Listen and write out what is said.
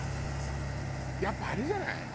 やっぱりあれじゃない？